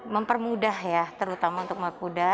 mempermudah ya terutama untuk makuda